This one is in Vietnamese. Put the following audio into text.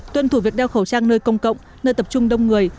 tuân thủ việc đeo khẩu trang nơi công cộng nơi tập trung đông người